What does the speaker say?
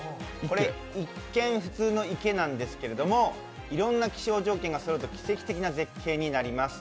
一見、普通の池なんですけれども、いろんな気象条件がそろうと奇跡的な絶景になります。